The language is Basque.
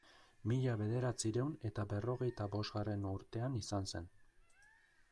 Mila bederatziehun eta berrogeita bosgarren urtean izan zen.